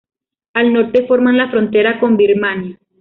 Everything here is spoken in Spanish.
Al norte forman la frontera con Birmania.